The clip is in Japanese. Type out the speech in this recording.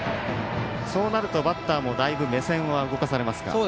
そうなると、バッターもだいぶ目線は動かされますか。